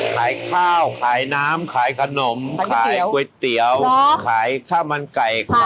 ขายข้าวขายน้ำขายขนมขายก๋วยเตี๋ยวขายข้าวมันไก่